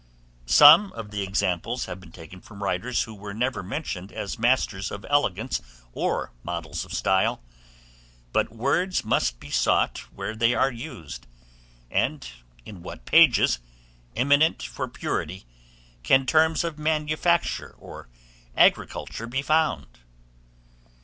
Some of the examples have been taken from writers who were never mentioned as masters of elegance, or models of style; but words must be sought where they are used; and in what pages, eminent for purity, can terms of manufacture or agriculture be found?